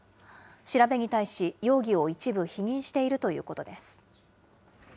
調べに対し容疑を一部否認しているということです。